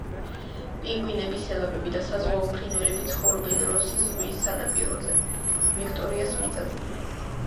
პინგვინები, სელაპები და საზღვაო ფრინველები ცხოვრობენ როსის ზღვის სანაპიროზე, ვიქტორიას მიწაზე.